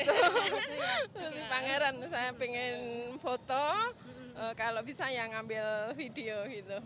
ini pangeran saya pengen foto kalau bisa ya ngambil video gitu